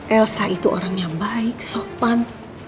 elsa itu orang yang baik sopan